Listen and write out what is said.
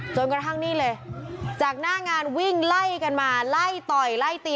จนกระทั่งนี่เลยจากหน้างานวิ่งไล่กันมาไล่ต่อยไล่ตี